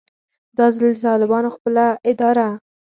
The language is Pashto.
دا ځل د طالبانو خپله اداره